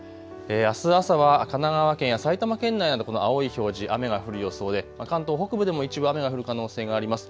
あす朝は神奈川県や埼玉県内などこの青い表示、雨が降る予想で関東北部でも一部雨が降る可能性があります。